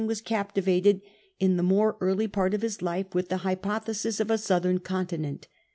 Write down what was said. was captivated in the more early part of his life with the hypothesis of a southern continent.